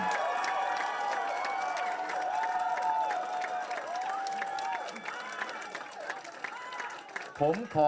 ผมขอประกาศจัดตั้งคณะอนาคตใหม่